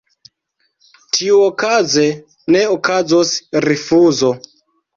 Tiuokaze ne okazos rifuzo.